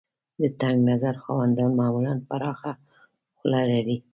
د تنګ نظر خاوندان معمولاً پراخه خوله لري.